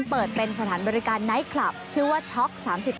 เปิดเป็นสถานบริการไนท์คลับชื่อว่าช็อก๓๙